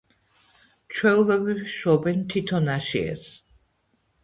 ჩვეულებრივ შობენ თითო ნაშიერს